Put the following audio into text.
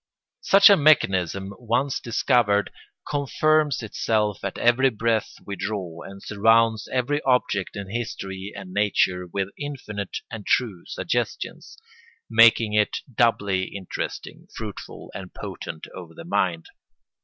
Such a mechanism once discovered confirms itself at every breath we draw, and surrounds every object in history and nature with infinite and true suggestions, making it doubly interesting, fruitful, and potent over the mind.